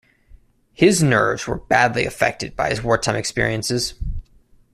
His nerves were badly affected by his wartime experiences.